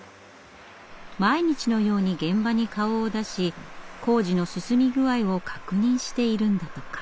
毎日のように現場に顔を出し工事の進み具合を確認しているんだとか。